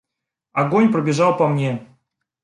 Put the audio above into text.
Огонь пробежал по мне.